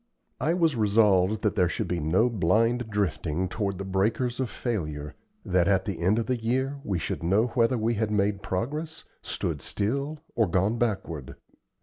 I was resolved that there should be no blind drifting toward the breakers of failure that at the end of the year we should know whether we had made progress, stood still, or gone backward.